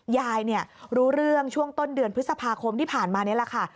ยายรู้เรื่องช่วงต้นเดือนพฤษภาคมที่ผ่านมานี่แหละค่ะ